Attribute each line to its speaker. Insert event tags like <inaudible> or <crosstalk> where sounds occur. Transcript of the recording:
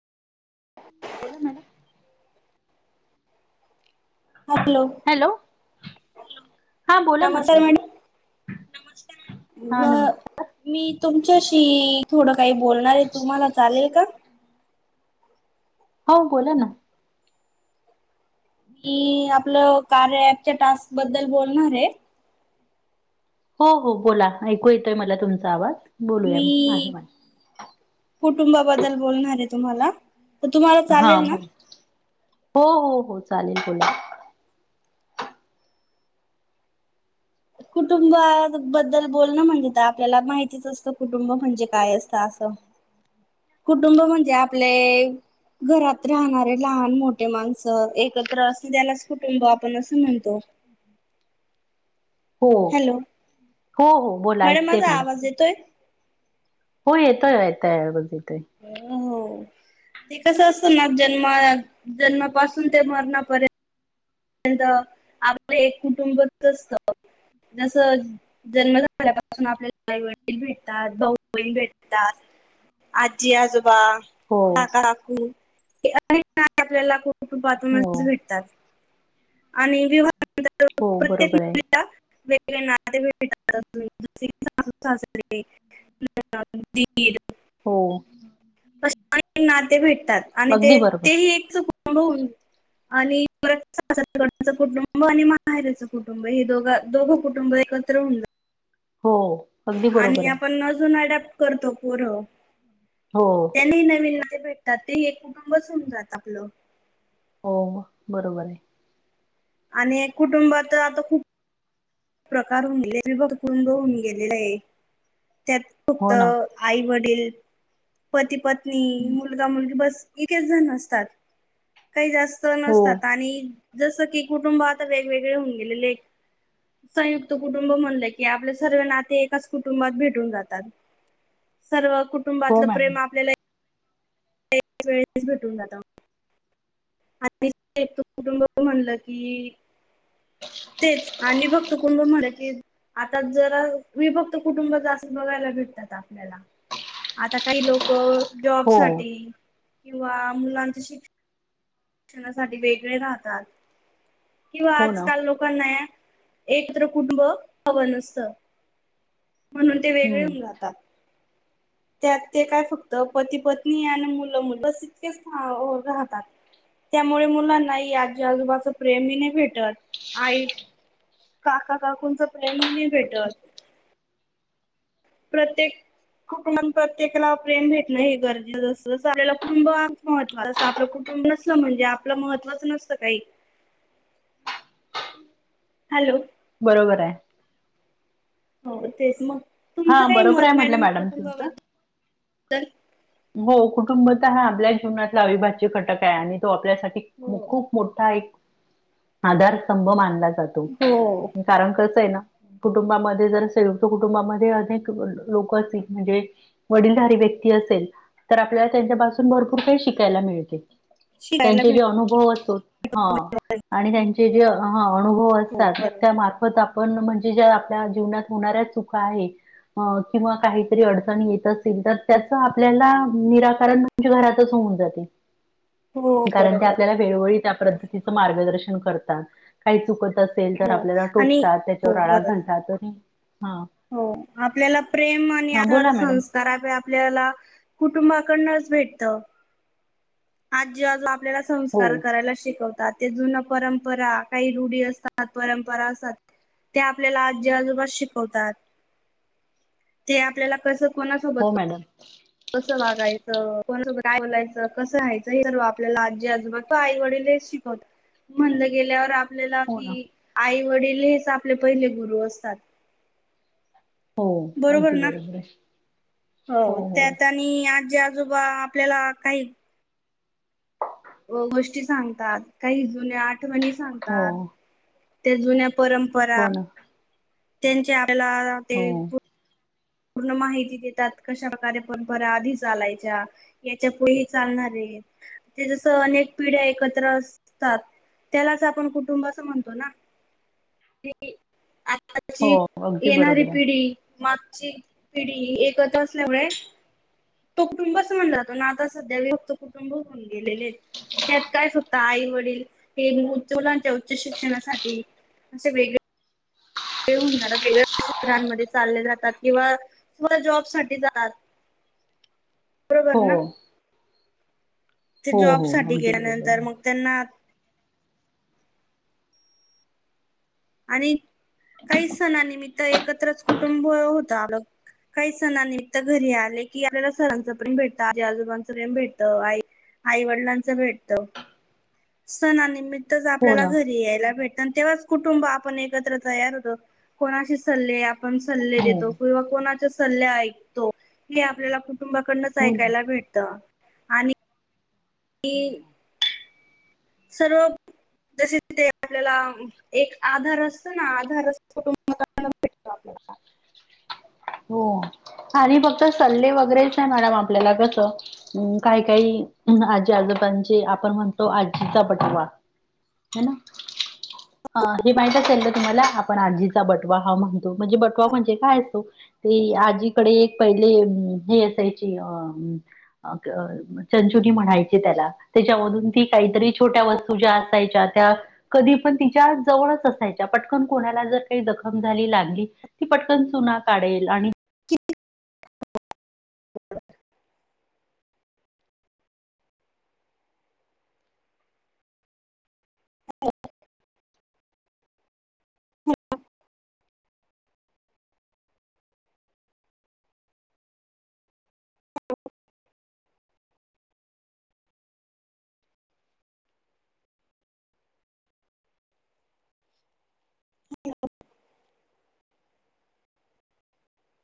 Speaker 1: बोला madam <inaudible>
Speaker 2: hello <inaudible>
Speaker 1: हा बोला म्हटलं- हा
Speaker 2: ह
Speaker 1: नमस्कार
Speaker 2: <inaudible> मी तुमच्याशी थोडं काही बोलणार आहे तुम्हाला चालेल का-
Speaker 1: हो बोला ना-
Speaker 2: मी आपलं कार्य ॲपच्या टास्क बद्दल बोलणार आहे <inaudible>
Speaker 1: हो -हो बोला ऐकू येतोय मला तुमचा आवाज बोलूया आहे
Speaker 2: मी
Speaker 1: मला <inaudible>
Speaker 2: कुटुंबाबद्दल बोलणार आहे तुम्हाला- तर तुम्हाला
Speaker 1: हा
Speaker 2: चालेल ना?
Speaker 1: बोल हो -हो- हो चालेल बोला
Speaker 2: कुटुंबाबद्दल बोलणं म्हणजे आपल्याला माहितीच असतं कुटुंब म्हणजे काय असतं कुटुंब म्हणजे आपले घरात राहणारे लहान मोठ ठे माणसं एकत्र असं <unintelligible> त्यालाच कुटुंब आपण असं म्हणतो <unintelligible> <inaudible>
Speaker 1: हो
Speaker 2: हॅलो
Speaker 1: हो हो बोला ऐकतेय
Speaker 2: माझा
Speaker 1: मॅडम,
Speaker 2: आवाज येतोय?
Speaker 1: हो येतोय येतोय आवाज
Speaker 2: हो हो ते कसं असत ना जन्मा जन्मापासून ते मरणापर्यंत ंआपलं एक कुटुंबच असत जस जन्म झाल्यापासून आपल्याला आई वडील भेटतात भाऊ बहीण भेटतात, आजी आजोबा
Speaker 1: हो
Speaker 2: काका काकू अनेक आपल्याला खूप <unintelligible>
Speaker 1: हो
Speaker 2: भेटतात आणि <unintelligible>
Speaker 1: हो
Speaker 2: प्रत्येक
Speaker 1: बरोबर आहे
Speaker 2: मुलीला व <unintelligible>
Speaker 1: हो
Speaker 2: अ नाते भेटतात आणि ते
Speaker 1: अगदी बरोबर
Speaker 2: तेही एक चकून <unintelligible> आणि <unintelligible> <unintelligible> कुटुंब आणि माहेरचं कुटुंब हे दोघ दोघं कुटुंब एकत्र होन ज ह
Speaker 1: हो अगदी बरोबर
Speaker 2: आणि
Speaker 1: आहे
Speaker 2: आपण अजून अडप्ट करतो पोर
Speaker 1: हो
Speaker 2: त्यांनी नवीन ते भेटतात ते एक कुटुंबच होऊन जात आपलं,
Speaker 1: हो बरोबर आहे.
Speaker 2: आणि कुटुंबात आता खूप हे प्रकार <unintelligible> विभक्तुंद <unintelligible> होन गेलेले आहे, त्यात फक्त
Speaker 1: हो ना
Speaker 2: आई वडील पती पत्नी मुलगा मुलगी बस इतकेच जण नसतात काही जास्त
Speaker 1: हो
Speaker 2: नसतात आणि जसं की कुटुंब आता वेगवेगळे होऊन गेलेले, संयुक्त कुटुंब म्हणलं की आपले सर्व नाते एकाच कुटुंबात भेटून जातात. सर्व
Speaker 1: हो
Speaker 2: कुटुंबातलं
Speaker 1: मॅडम
Speaker 2: प्रेम आपल्याला वेळस भेटून जात आणि एक तू कुटुंब म्हणलं की तेच आणि बघतो कुंभम मध्ये <unintelligible> आता जरा विभक्त कुटुंबाचा अस बघायला भेटतात आपल्याला, आता काही लोक जॉब
Speaker 1: हो
Speaker 2: साठी किंवा मुलांच शिक्षण शिक्षणासाठी वेगळे राहतात किंवा
Speaker 1: हो ना
Speaker 2: आजकाल लोकांना एकत्र कुटुंब हव नसतं. म्हणून ते वेगळे
Speaker 1: हम्म
Speaker 2: होऊन जातात, त्यात ते काय फक्त पती पत्नी आणि मुलं बस इतकेच राहतात त्यामुळे मुलांनाही आजी आजोबाच प्रेमही नाही भेटत आई काका काकूंच प्रेमही नाही भेटत, प्रत्येक कुटुंब <unintelligible> प्रत्येकाला प्रेम भेटणं हे गरजेचं असं जस आपल्या कुटुंबात महत्त् असं आपलं कुटुंब नसल म्हणजे आपलं महत्त्वाच नसत काही, हॅलो
Speaker 1: बरोबर आहे
Speaker 2: हो तेच मग तुमचं
Speaker 1: हा
Speaker 2: काही
Speaker 1: बरोबर
Speaker 2: मत
Speaker 1: आहे
Speaker 2: नाही
Speaker 1: म्हटलं
Speaker 2: ना, मग
Speaker 1: मॅडम तुमचं.
Speaker 2: कुटुंबाबद्दल.
Speaker 1: हो कुटुंब तर हा आपल्या जीवनातला अविभाज्य कटक आहे आणि तो आपल्यासाठी
Speaker 2: हो.
Speaker 1: खूप मोठा एक आधारस्तंभ मानला तू
Speaker 2: हो
Speaker 1: कारण कस आहे ना, कुटुंबामध्ये जर संयुक्त कुटुंबामध्ये अनेक लोक असतील म्हणजे वडीलधारी व्यक्त असे तर आपल्याला त्यांच्यापासून भरपूर काही शिकायला मिळते.
Speaker 2: शिकायला
Speaker 1: त्यांचे
Speaker 2: भेट
Speaker 1: जे अनुभव असतो हा. आणि त्यांचे जे हअनुभव
Speaker 2: हो
Speaker 1: असतात
Speaker 2: बरोबर
Speaker 1: त्या मार्फत आप पण म्हणजे ज्या आपल्या जीवनात होणाऱ्या चुका आहे. अ किंवा काहीतरी अडचणी येत असेल तर त्याचं आप आपल्याला निराकारण म्हणजे घरातच होऊन जाते.
Speaker 2: हो
Speaker 1: कारण ते
Speaker 2: बरोबर
Speaker 1: आपल्याला वेळोवेळी त्या प्रतीत तीचं मार्गदर्शन करतात काही चुकत तसेल तर
Speaker 2: हो
Speaker 1: आपल्याला
Speaker 2: आणि
Speaker 1: टोकतात त्याच्यावर
Speaker 2: हो
Speaker 1: आळा
Speaker 2: बरोबर
Speaker 1: घालतात <unintelligible> त
Speaker 2: हो आपल्याला प्रेम आणि
Speaker 1: हा
Speaker 2: आधार
Speaker 1: बोला मॅडम
Speaker 2: संस्कारापै आपल्याला कुटुंबाकडनचं. आजी आजू आपल्याला
Speaker 1: हो
Speaker 2: संस्कार करायला शिकवतात. ते जुन परंपरा काही रुढी असतात परंपरा असतात. ते आपल्याला आजी आजोबा शिकवतात ते आपल्याला कसं कोणा
Speaker 1: हो
Speaker 2: सोबत?
Speaker 1: मॅडम
Speaker 2: कसं वागायचं कोणा सोब काय बोलायचं कसं राहायचं हे सर्व आपल्याला आजी आजोबा <unintelligible> किंवा आई वडील तेचं शिकवतात म्हणलं गेल्यावर आप आपल्याला
Speaker 1: हो
Speaker 2: कि
Speaker 1: ना
Speaker 2: आई वडील हेच आपले पहिले गुरु असतात.
Speaker 1: हो
Speaker 2: बरोबर
Speaker 1: अगदी
Speaker 2: ना
Speaker 1: आहे
Speaker 2: हो त्यात आणि आजी आज आजोबा आपल्याला काही अ गोष्टी सांगतात काही जुन्या आठवणी
Speaker 1: हो
Speaker 2: सांगतात त्या जुन्यप परंपरा
Speaker 1: हो ना
Speaker 2: त्यांच्या <unintelligible> आपल्याला ते.
Speaker 1: हो
Speaker 2: पूर्ण माहिती देतात कशाप्रकारे परंपरा आधी चालायच्या यांच्या पुढे ही चालणार हे. ते ते जसं अनेक पिढ्या एकत्र असतात. त्याला च आपण कुटुंब असं म्हणतो ना, <unintelligible>
Speaker 1: हो
Speaker 2: आताची
Speaker 1: अगदी
Speaker 2: येणारी
Speaker 1: बरोबर आहे.
Speaker 2: पिढी मात ची पिढी एकत असल्यामुळे तो कुटुंबच म्हणला जातो ना आता सध्या व फक्त कुटुंबच <unintelligible> म्हणो गेलेहेत त्यात काय सवःता आई वडील हे मुल चुल ते उच्च शिक्षणासाठी असे वेगळे ते होणार चं <unintelligible> आहे गं शेतामध्ये चालले जातात किंवा स् जॉब साठी जातात <unintelligible>
Speaker 1: हो.
Speaker 2: ते
Speaker 1: हो
Speaker 2: जॉब
Speaker 1: हो
Speaker 2: साठी
Speaker 1: अगदी बरोबर
Speaker 2: गेल्यानंतर
Speaker 1: आहे.
Speaker 2: मग त्यांना आणि काही सणा निमित्त एकत्रच कुटुंब होत आपलं. काही सणां निमित्त घरी आले की आपल्याला सरांच प्रेम भेटत आजी आजोबांचं प्रेम भेटत आई आईवडिलांच भेटत सणा निमित तिथं च
Speaker 1: हो
Speaker 2: आपल्याला
Speaker 1: ना.
Speaker 2: घरी यायला भेटणं तेव्हाच कुुंटंब आपण एकत्र तयार होतो कोणाशी सल्ले आपण सल्ले
Speaker 1: हो
Speaker 2: देतो किंवा कोणाच स सल्ले ऐकतो हे आपल्याला कुटुंबा कडनचं
Speaker 1: हो ना
Speaker 2: ऐकायला भेटत आणि तीन सर्व जसे तिथ आपल्याला एक आधार असतो ना आधार कुटुंबामध्ये भेटतो आपल्याला. <unintelligible>
Speaker 1: हो. आणि फक्त सल्ले वगैरेच ते मॅडम आपल्याला कसं अम्म काही काही आजी आजोब म्हणजे आपण म्हणतो आजीचा बटवा हे ना ह हे माहित असेल ना तुम्हाला आपण आजीचा बटवा हा म्हणतो म्हणजे बटवा म्हणजे काय असतो ते आजीकडे एक पहिले जी असायची चंच म्हणायचि त्याला त्याच्या मधून काहीतरी छोट्या वस्तू ज्या असायच्या त्या कधी पण तिच्या जवळच असायच्या पटकन कोणाला जर काही जखम झाली लागली ती पटकन चुना काढेल आणि
Speaker 2: <unintelligible> <unintelligible> <inaudible> हॅ <inaudible> <inaudible>